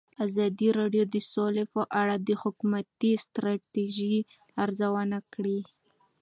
ازادي راډیو د سوله په اړه د حکومتي ستراتیژۍ ارزونه کړې.